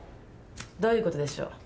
どういうことでしょう？